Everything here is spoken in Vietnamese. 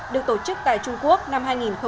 được tổ chức tại trung quốc năm hai nghìn một mươi chín